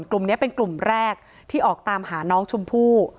กลุ่มนี้เป็นกลุ่มแรกที่ออกตามหาน้องชมพู่